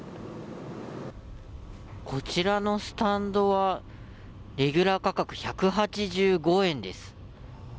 こちらスタンドはレギュラー価格１８５円です。